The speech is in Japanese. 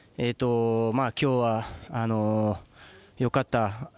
今日はよかった。